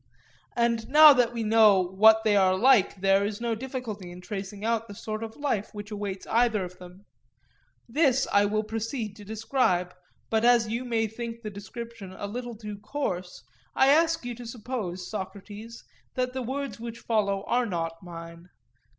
And now that we know what they are like there is no difficulty in tracing out the sort of life which awaits either of them. This I will proceed to describe; but as you may think the description a little too coarse, I ask you to suppose, Socrates, that the words which follow are not mine.